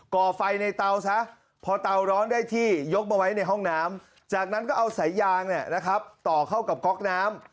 ่อไฟในเตาซะพอเตาร้อนได้ที่ยกมาไว้ในห้องน้ำจากนั้นก็เอาสายยางต่อเข้ากับก๊อกน้ำ